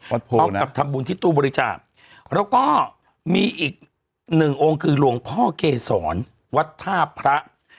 พร้อมกับทำบุญที่ตู้บริจาคแล้วก็มีอีกหนึ่งองค์คือหลวงพ่อเกษรวัดท่าพระ